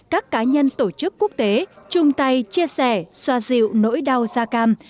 các cá nhân tổ chức quốc tế chung tay chia sẻ xoa dịu nỗi đau da cam